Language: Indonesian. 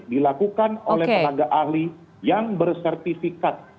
dilakukan oleh tenaga ahli yang bersertifikat